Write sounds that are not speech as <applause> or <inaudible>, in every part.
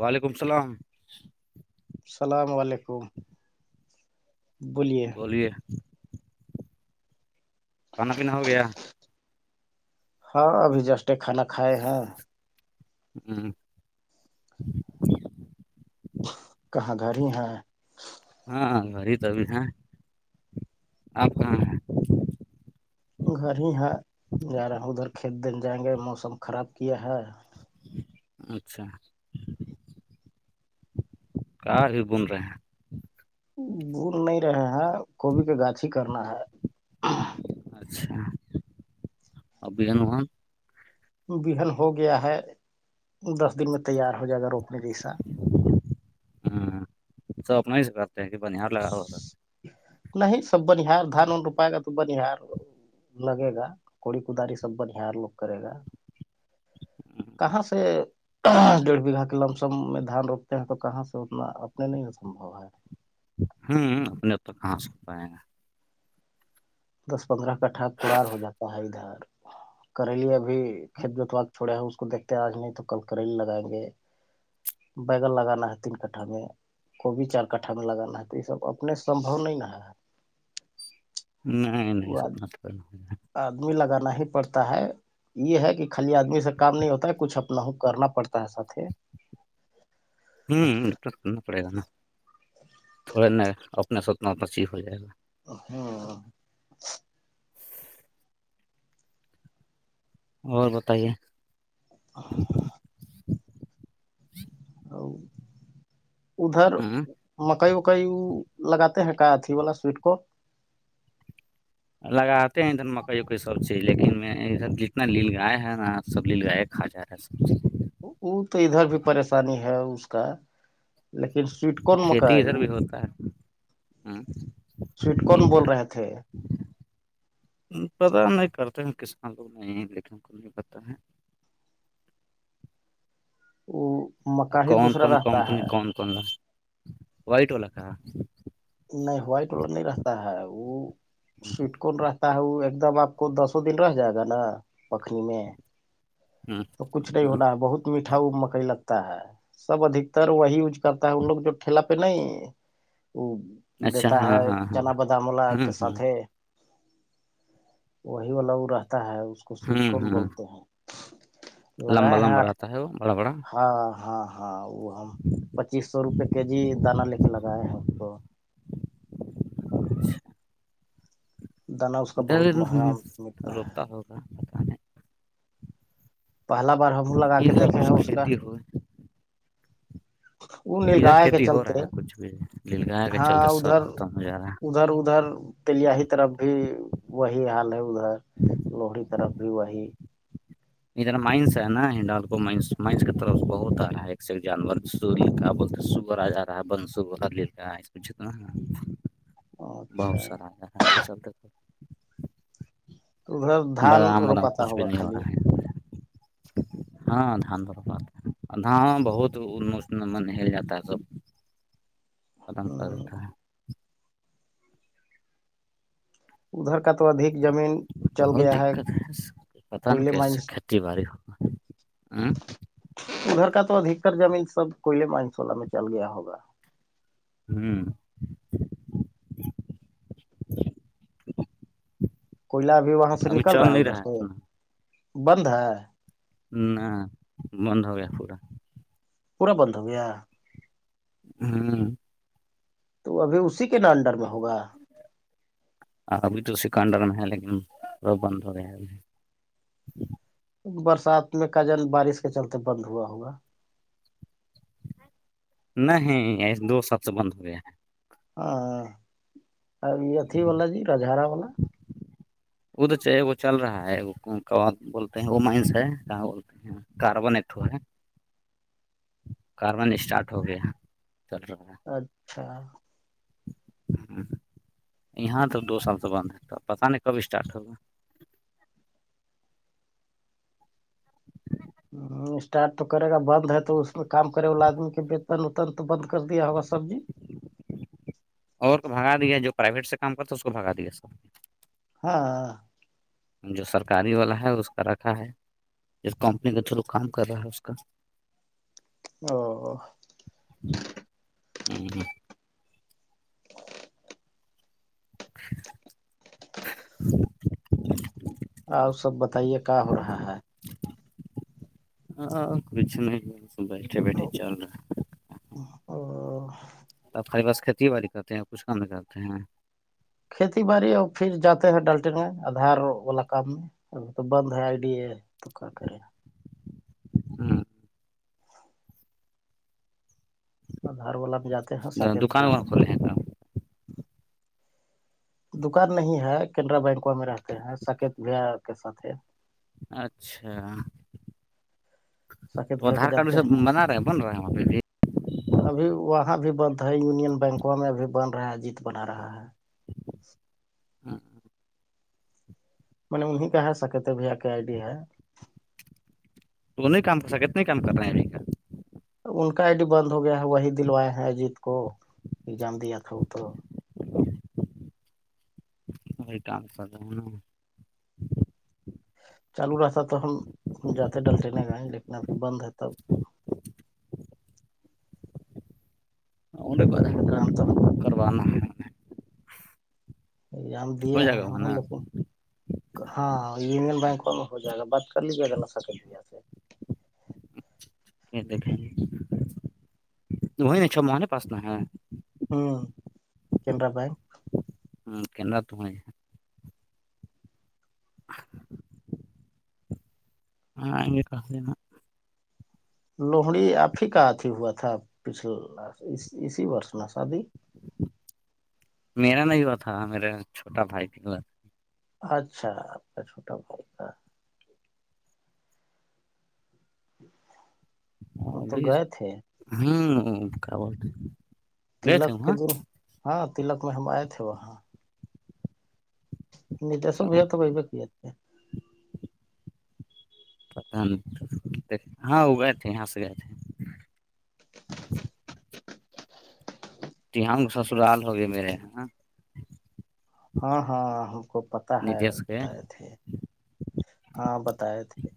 وعلیکم السلام السلام علیکم بولیے کھانا پینا ہو گیا- ہاں ابھی جسٹے کھانا کھائے ہیں- ہوں کہاں گھر ہیں- ہاں گڑی تو ابھی ہیں آپ کہاں ہیں- گھر میں ہے ادھر کھیت بن جائیں گے موسم خراب کیا ہے- اچھا کا ہی بون رہ ہیں- بھول نہیں رہا کو بھی گاچی کرنا ہے- اچھا، اور بیرن موہن بہن ہو گیا ہے دس دن میں تیار ہو جائے گا روپنے جیسا- سپ نہیں س کرتے ہیں کہ بانی ہار لگا ہو- نہیں سب بن ہار دھان و روپائے گا تو بن ہار- لگے گا کوڑی کوداری سب بنیہار لوگ کرے گا- کہاں سے- ڈیڑھ بیگھہ کے لم سم میں دھان روکتے ہیں تو کہاں سے اتنا اپنے نہیں سمبھو ہے- ہوں اپنے تو کہاں سےتا ہے- دس پندرہ کٹھا کڑار ہو جاتا ہے ادھر- کریلی ابھی خدمت وقت تھوڑا ہے اس کو دیکھتے ہیں اج نہیں تو کل لگا کے- بیگل لگانا ہے تین کٹھا میں- کوبھی چار کٹا میں لگانا تو اس سب اپنے سمبو نہیں نا- نہیں- نہیں وہ سپنا تو, آدمی لگانا ہی پڑتا ہے- یہ ہے کہ خالی آدمی سے کام نہیں ہوتا ہے کچھ اپنا ہو کرنا پڑتا ہےسا- ہوں ڈپرٹ کرنا پڑے گا نا تھوڑا نا اپنا سے اتنا اتنا سیح ہو جائے گا- ہاں اور بتائیے- ا ادھر ہ مکائی کئی لگاتے ہیں کا اھی والا سویٹ کو لگاتے ہیں ادھر مکہ لیکن میں جتنا لیل گائے ہیں نا تبلیغ کھا جائیں- <unintelligible> وہ تو ادھر بھی پریشانی ہے اس کا لیکن سویٹ- چیز کون مک کھیتی ادھر بھی ہوتا ہے سویٹ کون بول رہے تھے- پتا نہیں کرتے ہیں کسان لوگ نہیں لیکن ان کو نہیں پت ہے- ج کون- کون, کمپنی کون کون وائٹ والا- نہیں وائٹ ور نہیں رہتا ہے وہ- سٹ کون رہتا ہے وہ ایک دم آپ کو دسوں دن رہ جائے گا نا پکھنی میں- ہاں تو کچھ نہیں ہونا ہے بہت میٹھا مکئی لگتا ہے- سب ادھتر وہی یوز کرتا ہے ان لوگ جو ٹھیلا پہ نہیں وہ- اچھا دیتا ہاں ہے ہاں ہاں چنا بدامولہ کے ہوں ہوں ساتھ وہی والا وہ رہتا ہے اس کو سویٹ ہوں کون ہوں بولتے ہیں لمبا لگائے ہیں لمبا آٹھ رہتا ہے وہ بڑا بڑا ہاں ہاں ہاں وہ ہم <inaudible> پچیس سو روپئے کے جی دانہ لے کے لگائے ہیں اس کو- دانا اس کا ادھر بہت مہنگا ملتا ہے روکتا ہوگا- پہلا بار ہم لگا نہیں کے ادھر دیکے ہیں کچھ اس کا کھیتی ہو ان نیل ادھر گاہ کے کھیتی ہو چلتے رہا ہے کچھ بھی لیل گائے کے ہاں چلتے ادھر سب ختم ہو جا رہا ادھر ادھر تلیا ہیی طرف بھی وہی حال ہے ادھر لوہڑی طرف بھی وہی ادھر مائنس ہے نا ہڈال کو مائس مائنس کی طرف بہت آ رہا ہے ایک سے ایک جانور س لا بولتا س آ جا رہا ہے بن سو لا ہے جتنا ہے بہت اچھا سارا اس کے چلتے ادھر دھان بادام وادام روپاتا کچھ بھی ہوگا نہیں ہو خالی رہا ہے ہاں دھان ب دھان بہت نہل جاتا ہے سب ختم کر دیتا ادھر ہے کا تو ادھک زمین چل بہت گیا دقت ہے پتا نہیں کوئلے کیسے مائنس کھیتی باڑی ہوگا ہاں ادھر کا تو ادھر زمین سب کوئلے مسولہ میں چل گیا ہوگا ہوں کوئلہ ابھی وہاں سے نکل رہا ہے ادھر سے بند ہے نہ بند ہو گیا پورا پورا بند ہو گیا ہاں تو ابھی اسی کے ن انڈر میں ہوگا ابھی تو سکنڈر میں ہے لیکن وہ بند ہو گیا ہے ابھی برسات میں کجن بارش کے چلتے بند ہوا ہوگا نہیں ایسے دو سب سے بند ہو گیا ہے ہاں یہ اتھی ہے واللا جی رجارا والا وہ تو چاہے وہ چل رہا ہے بولتے ہیں وہ مائنس ہے کہاں بولتے ہیں کاربن ایکٹو ہے کاربن اسٹارٹ گے چل رہاا ہ <unintelligible> ہوں یہاں تو دو سال سے بند ہوتا پتاہ نہیں کب اسٹارٹ ہوگا ہ اسٹارٹ تو کرے گا بند ہے تو اس میں کام کرے والا آدمی کے وےتن وتن تو بند کر دیا ہوگا سبزی اور کو بھگا دیا جو پرائیویٹ سے کام کرتا تھا اس کو بگا دیا سر ہاں ہ جو سرکاری والا ہے اس کا رکھا ہے جو کمپنی کے تھرو کام کر رہا ہے اس کا ج <inaudible> او ہوں ہ ھم <unintelligible> آپ سب بتائیے کیا ہو رہا ہے آ کچھ نہیں بیس بیٹ چاء رہا ا ہمے پاس کھیتی باڑی کرتے ہیں کچھ کم کرتے ہیں کھیتی باڑی ا پھر جاتے ہیں ڈالٹے میں آدھار والا کام میں اگر تو بند ہے آئی ڈی ا تو کیا کرے آدھار والا بھی جاتے ہیں ساکیت دکان بگا وکان کرتے کھولے ہیں کام دکان نہیں ہے کینرا بینک میں رہتے ہیں سکیت بھیا کے ساتھ اچھا تو ساکت بھیا کے آدھار کارڈ بھی جانتے سب ہیں نا بنا رہے ہیں بن رہا ہیں ہم پہ بھی- ابھی وہاں بھی بند ہے یونین بینکوں میں ابھی بند رہا ہے جیت بنا رہا ہے- ہاں م نے انہیں کا ہے سکے تو بھیا کے آئی ڈی ہے تو وہ نہیں کام کر سکے اتنے کام کر رہے ہیں ابھی کا ان کا آئی ڈی بند ہو گیا ہے وہی دلوائے ہیں اجیت کو ایگزام دیا تھا وہ تو وہی کام سد ن چالو راستہ تو ہم جاتے ڈلٹے نے گائیں لیکن بند ہے تب- ان با جام تو کروانا ہے انیں- ج ہم دیا ہ جائے گا وہ ہم نا لیکن- ہاں ای میل بائک والا ہو جائے گا بات کر لیجیے گا- دیک نہیں چھ مہان پاس د ہے- ہوں کینرا بینک- ہ کنات ت- <unintelligible> ہ ایے کہین <unintelligible> میرا نہیں ہوا تھا میرے چھوٹا بھائی ت تھا- اچھا آپ کا چھوٹا بھائی تھا- ہم تو ابھی گئے تھے- ہوں کیا ب- تلک کے دن ہاں تلک میں ہم آئے تھے وہاں- ند س ب یہ تو پئیب کی اے- پتاہ نہیں ہاں وہ گئے تھے یہاں سے گئے تھے- ت ہ سسرال ہو گئے میرےاں- ہاں- ہاں ہم کو پت ہے نتیش کے بتائے تھے ہاں بتائے تھے-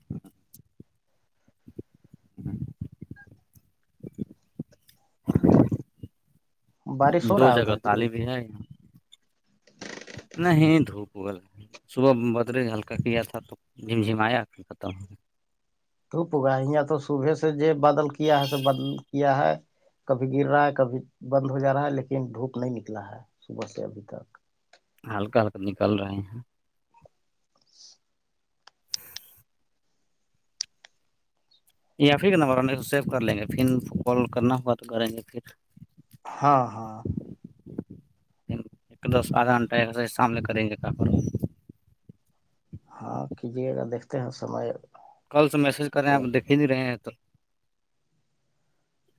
بارش ہو دو رہا ادھرج- <unintelligible> نہیں دھوپ ہولا ہے صبح بدریےج ہلکا کیا تھا تو جھمجھم آیا پھر ختم ہو- روپ گا یہاں تو صبح سے ج بدل کیا ہے س بدل کیا ہے- کبھی گر رہا ہے کبھی بند ہو جا رہا ہے لیکن دھوپ نہیں نکلا ہے صبح سے ابھی تک- ہلکا- ہلکا نکل رہے ہیں- <unintelligible> یا پھر کا نمبر آنے کو سیو کر لیں گے پھر کال کرنا ہوگا تو کریں گے پھر- ہاں- ہاں دس آدھا گھنٹہ سامنے کریں گے کا- ہاں کیجیے گا دیکتے ہیں سمے- کل سے میسج کر رہے ہیں آپ دیکھ ہی نہیں رہے ہیں تو-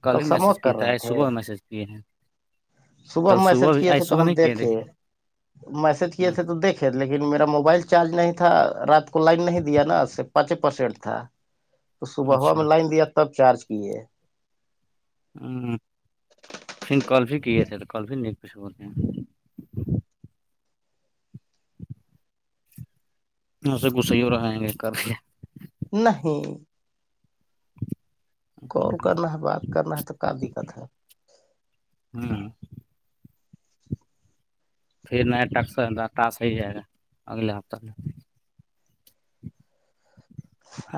کل ہی میسج سموک کی کر تھا رہے ہے تھے صبح میں میسج کیے ہیں- صبح کل میسج بھی کیے آج تھے تو صبح ہم نہیں کیے دیکھے دیکھیے میسج کیے ہ تھے تو دیکھے- لیکن میرا موبائل چارج نہیں تھا رات کو لائیو نہیں دیا نا صرف پانچ پرسنٹ تھا- تو صبح ہوا اچھا میں لائن دیا تب چارج کیے- ہ پھر کلفی کی تھ کلفی نیک پس بولتے ہیں- <unintelligible> ایے کسی ہو رہیں گے کر کے نہیں کال کرنا ہے بات کرنا ہے تو کیا دقت ہے ہاں پھر ن ٹکس ٹاس ہی جائے گا اگلے ہفتتے میں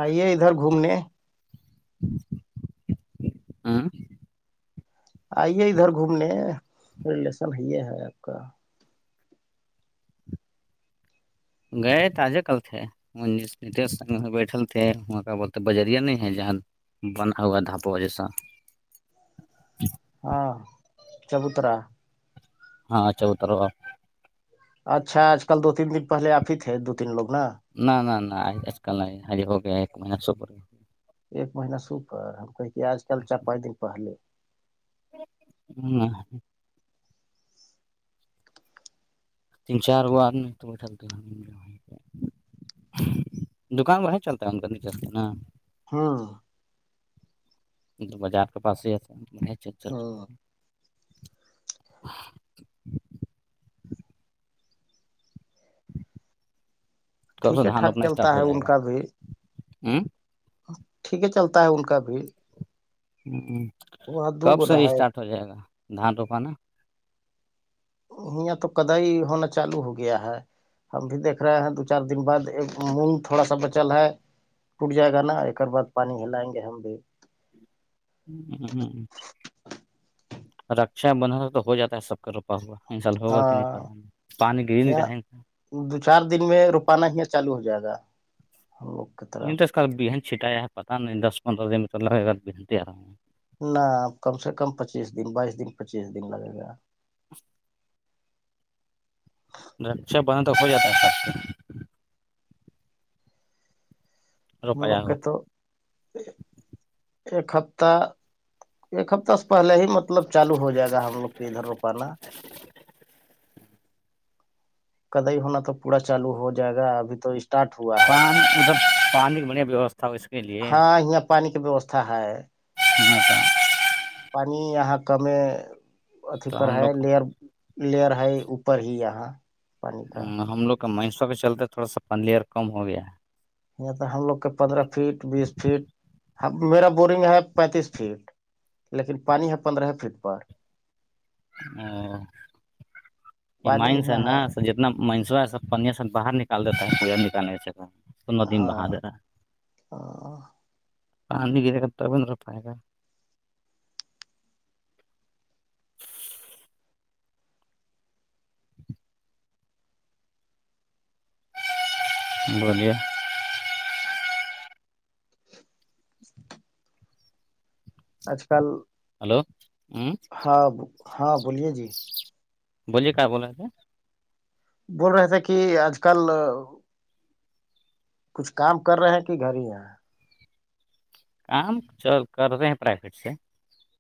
آئیے ادھر گھومنے ہاں ائیے ادھر گھومنے ہیں سب یہ ہے اپ کا- گئے تازے کل تھے- ج بیٹھل تھے وہاں کا ب بجرییا نہیں ہے جہاں- بنا ہوا دھاپہ وجیسا- ہاں چبوترا- ہاں چوتروا- اچھا اج کل دو تین دن پہلے اپ ہی تھے دو تین لوگ نا- نہ نہ نہ آج کل نہیں آج ہو گیا ایک مہینہ سپ رہ ایک مہینہ سوپر ہم کہے کہ آج کل چا پانچ دن پہلے <unintelligible> تین چار گو آ نے تو دکان بار ہی چلتا ہے ہے ان چس ن ہاں جو بازار کے پاس ہیتا میں چل چل رہا ہوں <unintelligible> کب سو ٹھیک ہے دھان ٹھاک روپنا اسٹارٹ چلتا ہو ہے جائے ان گا کا بھی ہوں ٹھیک ہے چلتا ہے ان کا بھی ہ وہاں دو کب گنا سے ہے اسٹارٹ ہو جائے گا دھان روپانا یہاں تو کد ہی ہونا چالو ہو گیا ہے ہم بھی دیکھ رہے ہیں دو چار دن بعد ایک مونگ تھوڑا سا بچل ہے ٹوٹ جائے گا نا ایکر بع پانی ہلائیں گے ہم بھی <unintelligible> رکشا بند تو ہو جاتا ہے سب کا روپا ہوا انسال ہوگا کہ ہاں نہیں پ پانی گری نہیں یہاں رہے دو چار دن میں روپانا ہی چالو ہو جائے گا ہم لوگ کی نہیں طرف تو اس کل بہن چھٹایا ہے پتہ نہیں دس پندرہ دن مر لگے گا بہنتی آ رہا ہوں نہ کم سے کم پچیس دن بائیس دن پچیس دن لگے گا <unintelligible> رکشا بندک ہو جاتا ہے سب سے ہم لوگ کے تو ایک ہفتہ ایک ہفتہ سے پہلے ہی متب مطلب چالو ہو جائے گا ہم لوگ کے ادھر روپانا کد ہی ہونا تو پورا چالو ہو جائے گا ابھی تو اسٹارٹ ہوا ہے پان ملب پانی کی بڑھیا ویوستھا ہو اس کے لیے ہاں یہاں پانی کی ویوستھا ہے ہاں تو <unintelligible> پانی یہاں کم اھی تو پر ہم ہے لوگ لئر لئر ہے اوپر ہی یہاں پانی کا ہ ہم لوگ کا مہسور پہ چلتے تھوڑا سا پنلیر کم ہو گیا ہے یہ تو ہم لوگ کے پندرہ فٹ بیس فٹ میرا بورنگ ہے پینتیس فٹ لیکن پانی ہے پندرہ فٹ پر او یہ پانی مائنس یہاں نا ہے سج اتنا منسو ہے سب پن س باہر نکال دیتا ہے نکال ندی میں بہا د ہاں رہتاا آانیےا تب بند ر پائے گا <unintelligible> بلیے <unintelligible> آج کل ہلو ہوں ہاں ہاں بولیے جی بولیے کیا بول رہے تھے بول رہے تھے کہ آج کل کچھ کام کر رہے ہیں کہ گھر ہی یہاں کام کر رہے ہیں پرائیویٹ سے